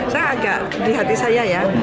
saya agak di hati saya ya